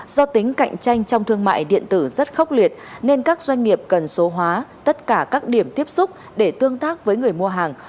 do tính cạnh tranh trong thương mại điện tử rất khốc liệt nên các doanh nghiệp cần số hóa tất cả các điểm tiếp xúc để tương tác với người mua hàng